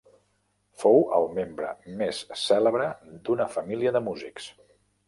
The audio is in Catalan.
Fou el membre més cèlebre d'una família de músics.